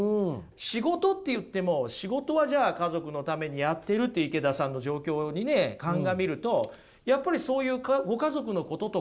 仕事って言っても仕事はじゃあ家族のためにやってるって池田さんの状況にね鑑みると。